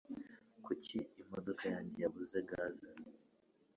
kuko imodoka yanjye yabuze gaze